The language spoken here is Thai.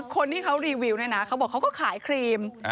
คนที่เขารีวิวเนี่ยนะเขาบอกเขาก็ขายครีม